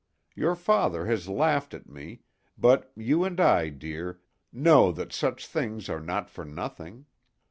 Your father has laughed at me, but you and I, dear, know that such things are not for nothing.